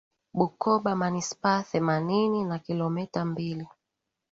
Bukoba Manispaa themanini na kilometa mbili